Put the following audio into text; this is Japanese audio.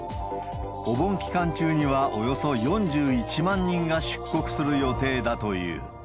お盆期間中にはおよそ４１万人が出国する予定だという。